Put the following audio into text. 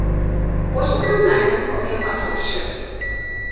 博斯康南人口变化图示